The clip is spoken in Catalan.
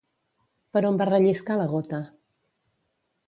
Per on va relliscar la gota?